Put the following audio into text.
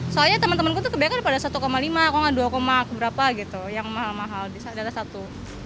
soalnya teman teman gue tuh kebanyakan pada rp satu lima kalau nggak rp dua keberapa gitu yang mahal mahal di daerah satu